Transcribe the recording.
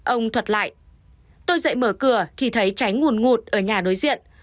ông thuật lại tôi dậy mở cửa khi thấy cháy nguồn ngụt ở nhà đối diện